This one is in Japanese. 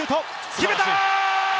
決めた！